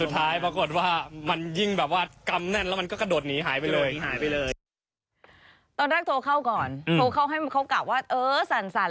โทรเข้าให้มันครบกลับว่าเออสั่น